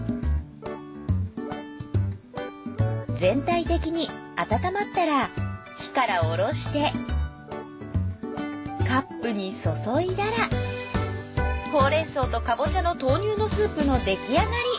全体的に温まったら火からおろしてカップに注いだらほうれん草とかぼちゃの豆乳のスープの出来上がり。